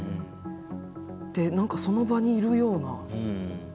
で何かその場にいるような。